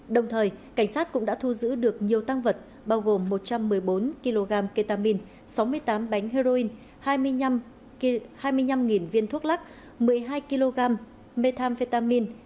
đồng thời cảnh sát cũng đã thu giữ được nhiều tăng vật bao gồm một trăm một mươi bốn kg ketamine sáu mươi tám bánh heroin hai mươi năm viên thuốc lắc một mươi hai kg methamphetamin